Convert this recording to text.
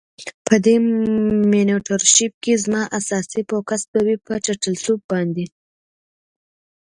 په دی مینټور شیپ کی زما اساسی فوکس به وی په ټرټل سوپ باندی.